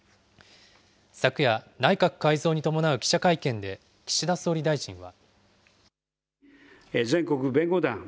昨夜、内閣改造に伴う記者会見で、岸田総理大臣は。